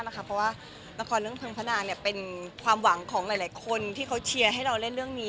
เพราะว่าละครเรื่องเพลิงพระนางเป็นความหวังของหลายคนที่เขาเชียร์ให้เราเล่นเรื่องนี้